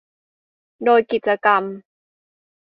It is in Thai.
โดยกิจกรรม